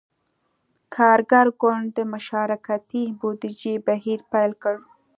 کارګر ګوند د »مشارکتي بودیجې« بهیر پیل کړ.